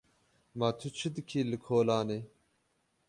Ma tu çi dikî li kolanê?